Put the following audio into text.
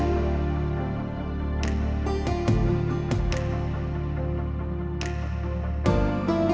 yang sebenarnya dalam karya nih lho